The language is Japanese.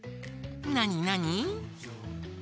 なになに？